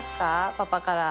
パパから。